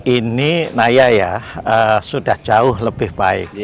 ini naya ya sudah jauh lebih baik